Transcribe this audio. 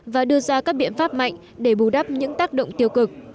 và đưa ra các biện pháp mạnh để bù đắp những tác động tiêu cực